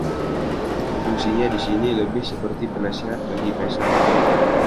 Fungsinya di sini lebih seperti penasihat bagi Kaisar.